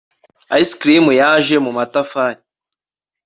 Ice cream yaje mu matafari